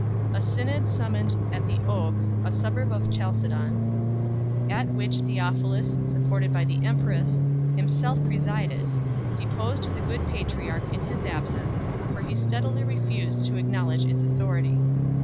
A synod summoned at The Oak, a suburb of Chalcedon, at which Theophilus, supported by the empress, himself presided, deposed the good patriarch in his absence, for he steadily refused to acknowledge its authority.